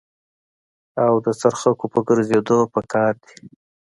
او د څرخکو په ګرځېدو په قار دي.